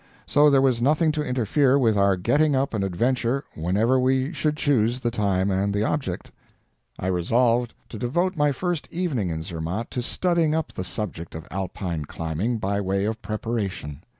So there was nothing to interfere with our getting up an adventure whenever we should choose the time and the object. I resolved to devote my first evening in Zermatt to studying up the subject of Alpine climbing, by way of preparation.